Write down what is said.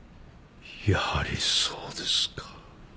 やはりそうですか。